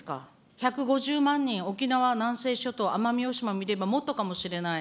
１５０万人、沖縄南西諸島、奄美大島も入れればもっとかもしれない。